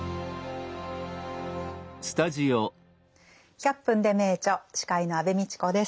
「１００分ｄｅ名著」司会の安部みちこです。